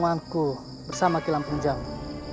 aku mau ke kanjeng itu